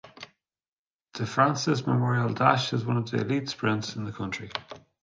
De Francis Memorial Dash is one of the elite sprints in the country.